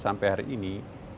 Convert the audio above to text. sampai hari ini